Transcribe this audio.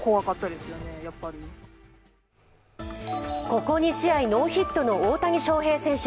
ここ２試合ノーヒットの大谷翔平選手